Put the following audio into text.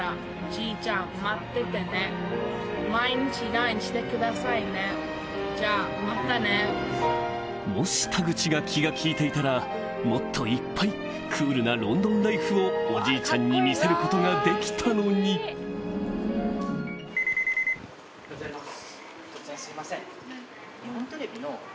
が届いたもし田口が気が利いていたらもっといっぱいクールなロンドンライフをおじいちゃんに見せることができたのにおはようございます。